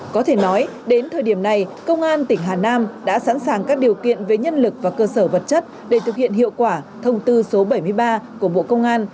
có thể nói đến thời điểm này công an tỉnh hà nam đã sẵn sàng các điều kiện về nhân lực và cơ sở vật chất để thực hiện hiệu quả thông tư số bảy mươi ba của bộ công an